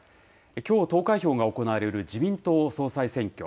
きょう、投開票が行われる自民党総裁選挙。